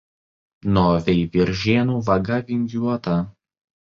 Nuo Veiviržėnų vaga vingiuota.